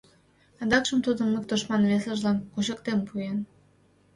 Адакшым тудым ик тушман весыжлан кучыктен пуэн.